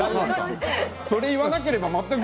それを言わなければ。